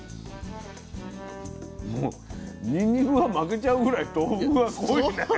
もうにんにくが負けちゃうぐらい豆腐が濃いね。